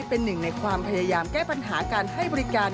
เป็นหนึ่งในความพยายามแก้ปัญหาการให้บริการ